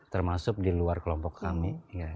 termasuk di luar kelompok kami